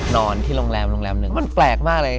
นอนที่โรงแรมโรงแรมหนึ่งมันแปลกมากเลย